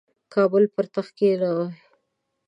کابل پر تخت کښېنوي.